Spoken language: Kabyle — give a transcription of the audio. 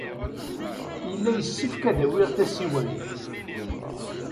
Yella yessefk ad d-awiɣ tasiwant.